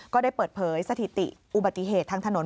ก็ได้เปิดเผยสถิติอุบัติเหตุทางถนน